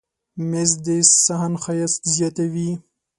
مېز د صحن ښایست زیاتوي.